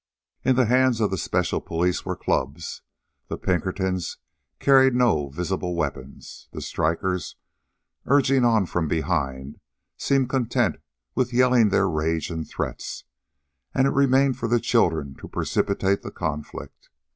In the hands of the special police were clubs. The Pinkertons carried no visible weapons. The strikers, urging on from behind, seemed content with yelling their rage and threats, and it remained for the children to precipitate the conflict.